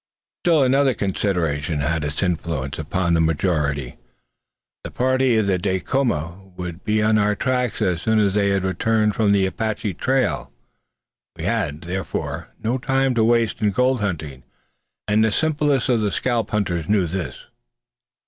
Still another consideration had its influence upon the majority. The party of Dacoma would be on our track as soon as they had returned from the Apache trail. We had, therefore, no time to waste in gold hunting, and the simplest of the scalp hunters knew this.